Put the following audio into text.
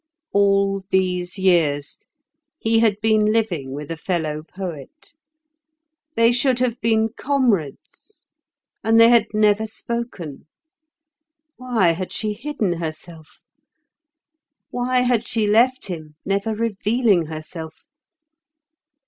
All these years he had been living with a fellow poet. They should have been comrades, and they had never spoken. Why had she hidden herself? Why had she left him, never revealing herself?